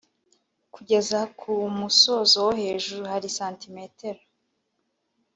Kugera ku musozo wo hejuru hari santimetero